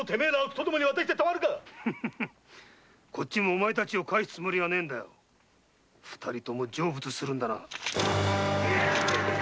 お前たちを帰すつもりはねえんだ二人とも成仏するんだな。